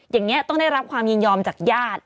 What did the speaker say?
อย่างนี้ต้องได้รับความยินยอมจากญาติ